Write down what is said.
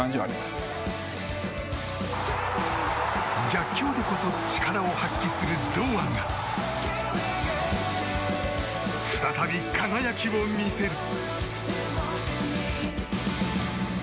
逆境でこそ力を発揮する堂安が再び輝きを見せる。